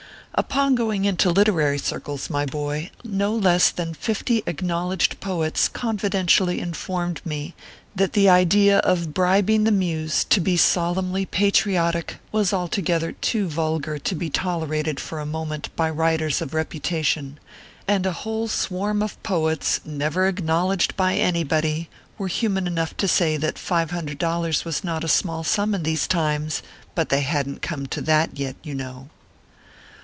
Upon, going into literary circles, my boy, no less than fifty acknowledged poets confidentially informed me, that the idea of bribing the muse to be solemnly patriotic was altogether too vulgar to be tolerated for a moment by writers of reputation ; and a whole swarm of poets, never acknowledged by anybody, were human enough to say that $500 was not a small sum in these times ; but they hadn t "come to that yet, you know."